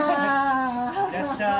いらっしゃい。